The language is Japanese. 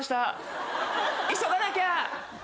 急がなきゃ！